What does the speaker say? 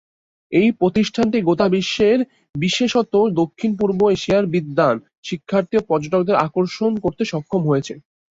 এই প্রতিষ্ঠানটি গোটা বিশ্বের বিশেষত দক্ষিণ-পূর্ব এশিয়ার বিদ্বান, শিক্ষার্থী, পর্যটকদের আকর্ষণ করতে সক্ষম হয়েছে।